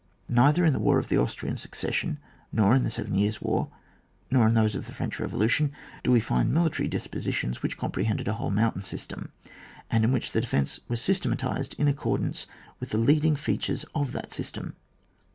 Neither in the war of the Austrian Succession, nor in the Seven Years' War, nor in those of the French Bevolution, do we find military dispositions which comprehended a whole mountain system, and in which the defence was systema tised in accordance with the leading fea tures of that system.